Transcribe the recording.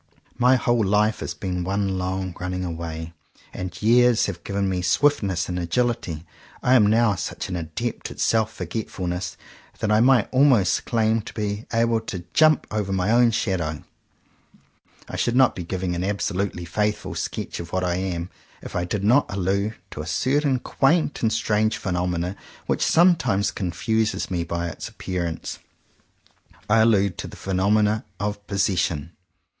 My whole life has been one long running away; and years have given me swiftness and agility. I am now such an adept at self forgetfulness that I might almost claim to be able to jump over my own shadow. I should not be giving an absolutely faithful sketch of what I am if I did not allude to a certain quaint and strange phenomenon which sometimes confuses me by its appearance. I allude to the phenom enon of "possession."